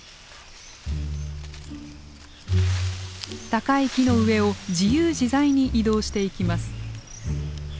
高い木の上を自由自在に移動していきます。